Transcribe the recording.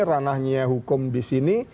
ranahnya hukum disini